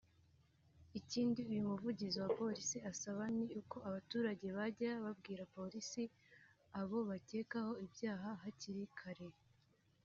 Ikindi uyu muvugizi wa polisi asaba ni uko abaturage bajya babwira polisi abo bakekaho ibyaha hakiri kare